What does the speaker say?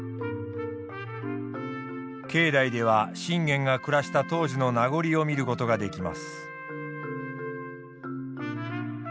境内では信玄が暮らした当時の名残を見ることができます。